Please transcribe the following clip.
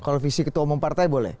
kalau visi ketua umum partai boleh